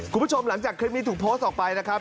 คุณผู้ชมหลังจากคลิปนี้ถูกโพสต์ออกไปนะครับ